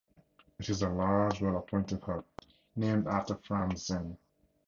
It is a large, well-appointed hut, named after Franz Senn.